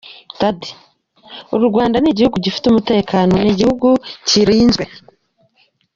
Dady: U Rwanda ni igihugu gifite umutekano, ni igihugu kirinzwe.